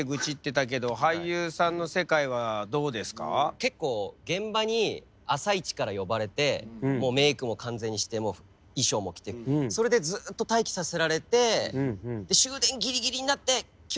結構現場に朝一から呼ばれてもうメークも完全にして衣装も着てそれでずっと待機させられてええ！？